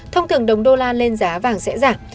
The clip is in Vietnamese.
thông thường đồng đô la lên giá vàng sẽ giảm